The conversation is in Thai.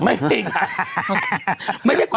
ไม่มีค่ะ